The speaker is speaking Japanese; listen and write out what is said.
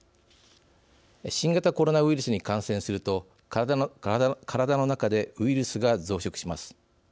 新型コロナウイルスに感染すると体の中でウイルスが増殖します。